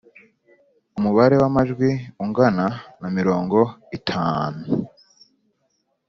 umubare wamajwi ungana namirongo itantu